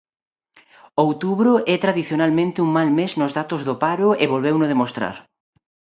Outubro é tradicionalmente un mal mes nos datos do paro e volveuno demostrar.